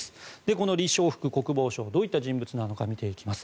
このリ・ショウフク国防相どういった人物なのか見ていきます。